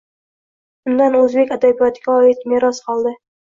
Undan o’zbek adabiyotiga oid meros qoldi.